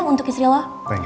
untuk istri lo